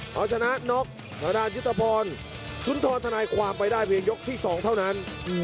เอาชนะน็อกทางด้านยุทธพรสุนทรทนายความไปได้เพียงยกที่๒เท่านั้น